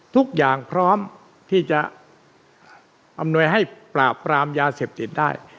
ทุกอย่างพร้อมที่จะอำนวยให้ปราบปรามยาเสพติดได้